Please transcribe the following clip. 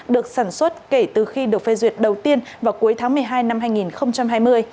được sản xuất kể từ khi được phê duyệt đầu tiên vào cuối tháng một mươi hai năm hai nghìn hai mươi